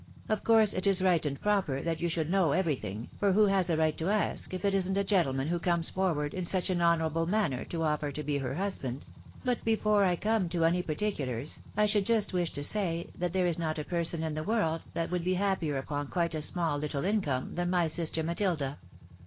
" Of course it is right arid proper that you should know everything ; for who has a right to ask, if it isn't a gentleman who comes for ward in such an honourable manner to oiFer to be her hiislmnd? But before I come to any particulars, I should just wish to say, that there is not a person in the world that would be happier upon quite a small little income than my sister Matilda.